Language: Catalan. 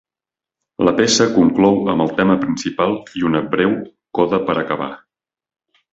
La peça conclou amb el tema principal i una breu coda per acabar.